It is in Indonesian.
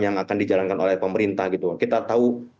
yang akan dijalankan oleh pemerintah